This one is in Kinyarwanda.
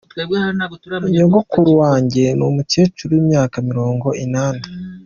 Nyogukuru wanjye ni umucyeru w'imyaka nirongo inani